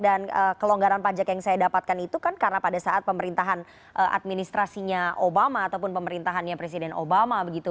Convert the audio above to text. dan kelonggaran pajak yang saya dapatkan itu kan karena pada saat pemerintahan administrasinya obama ataupun pemerintahannya presiden obama